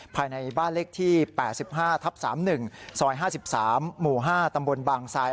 ภายในบ้านเลขที่๘๕ทับ๓๑ซอย๕๓หมู่๕ตำบลบางทราย